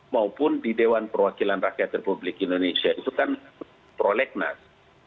maupun di dewan perwakilan rakyat republik indonesia itu kan prolegnas